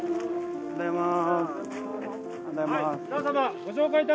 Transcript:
おはようございます。